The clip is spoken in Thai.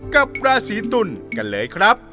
กับราศีตุลกันเลยครับ